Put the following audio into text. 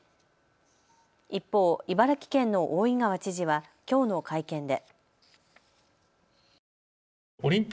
一方、茨城県の大井川知事はきょうの会見で。